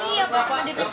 iya pak sama dpp